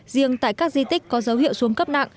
riêng tại các di tích có dấu hiệu xuống cấp nặng